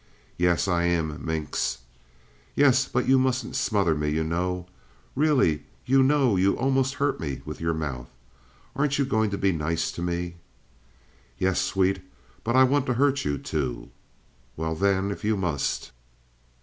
"Yes, I am, minx." "Yes, but you mustn't smother me, you know. Really, you know you almost hurt me with your mouth. Aren't you going to be nice to me?" "Yes, sweet. But I want to hurt you, too." "Well, then, if you must."